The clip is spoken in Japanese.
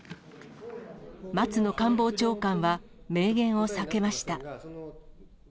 松野官房長官は、明言を避けました。